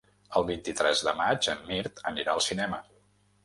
El vint-i-tres de maig en Mirt anirà al cinema.